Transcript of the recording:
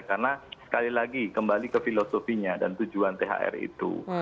karena sekali lagi kembali ke filosofinya dan tujuan thr itu